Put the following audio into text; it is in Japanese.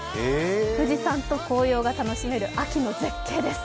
富士山と紅葉が楽しめる秋の絶景です。